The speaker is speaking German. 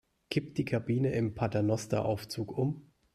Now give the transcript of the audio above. Kippt die Kabine im Paternosteraufzug um?